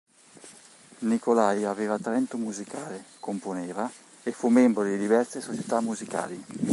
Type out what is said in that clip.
Nikolaj aveva talento musicale, componeva e fu membro di diverse società musicali.